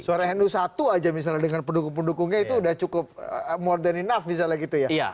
suara nu satu aja misalnya dengan pendukung pendukungnya itu udah cukup more than enough misalnya gitu ya